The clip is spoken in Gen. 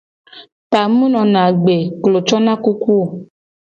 Ta mu nona agbe, klo cona kuku o.